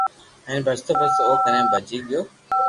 ھين ڀجتو ڀجتو او ڪني پوچو گيو